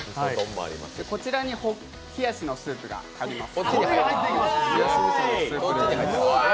こちらにひやしのスープが入ります。